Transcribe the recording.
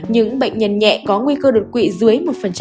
những bệnh nhân nhẹ có nguy cơ đột quỵ dưới một